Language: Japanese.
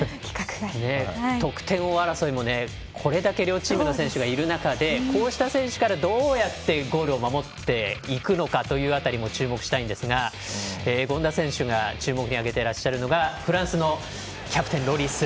得点王争いもこれだけ両チームの選手がいる中でこうした選手からどうやってゴールを守っていくのかという辺りも注目したいんですが権田選手が注目に挙げていらっしゃるのがフランスのキャプテン、ロリス。